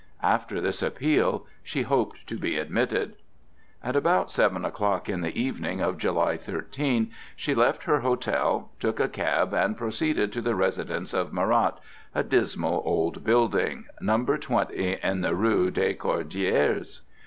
After this appeal she hoped to be admitted. At about seven o'clock in the evening of July 13 she left her hotel, took a cab and proceeded to the residence of Marat, a dismal old building, No. 20 in the Rue des Cordeliers.